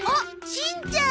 しんちゃん！